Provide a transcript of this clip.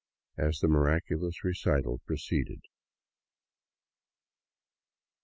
— as the miraculous recital proceeded.